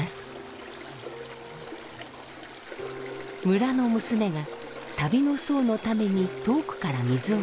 村の娘が旅の僧のために遠くから水をくんできた。